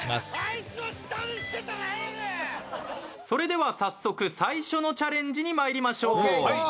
それでは早速最初のチャレンジにまいりましょう。